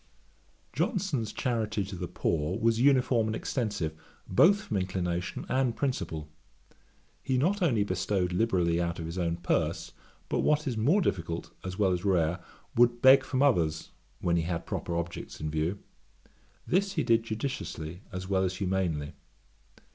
Johnson's charity to the poor was uniform and extensive, both from inclination and principle. He not only bestowed liberally out of his own purse, but what is more difficult as well as rare, would beg from others, when he had proper objects in view. This he did judiciously as well as humanely.